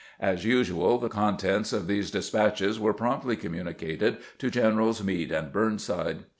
As usual, the contents of these despatches were promptly communicated to Generals Meade and Burn side.